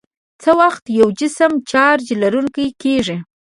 څه وخت یو جسم چارج لرونکی کیږي؟